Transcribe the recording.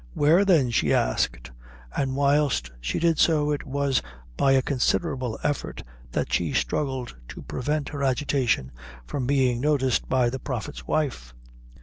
"Where then?" she asked, and whilst she did so, it was by a considerable effort that she struggled to prevent her agitation from being noticed by the prophet's wife.